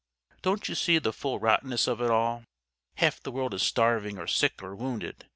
Don't you see the full rottenness of it all? Half the world is starving or sick or wounded.